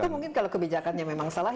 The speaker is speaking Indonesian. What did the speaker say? mungkin kalau kebijakannya memang salah